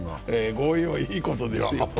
強引はいいことですよ。